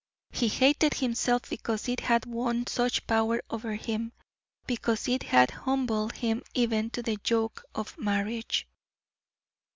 He hated himself because it had won such power over him because it had humbled him even to the yoke of marriage.